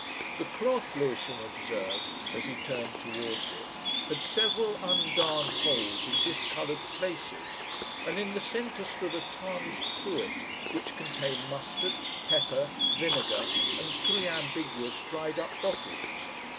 The cloth, Lewisham observed, as he turned towards it, had several undarned holes and discoloured places, and in the centre stood a tarnished cruet which contained mustard, pepper, vinegar, and three ambiguous dried up bottles.